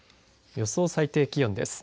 予想最低気温です。